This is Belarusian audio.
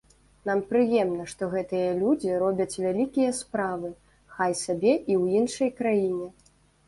Нам прыемна, што гэтыя людзі робяць вялікія справы, хай сабе і ў іншай краіне.